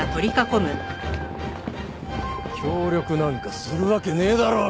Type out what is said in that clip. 協力なんかするわけねえだろうがコラァ！